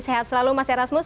sehat selalu mas erasmus